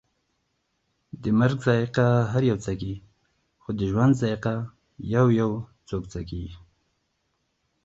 د مرګ ذائقه هر یو څکي، خو د ژوند ذائقه یویو څوک څکي